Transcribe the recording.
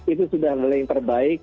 itu sudah mulai yang terbaik